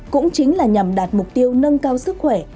cũng chính là nhằm đạt mục tiêu nâng cao sức khỏe